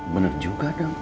bener juga dong